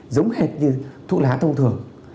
giống hệt như thuốc lá thông thường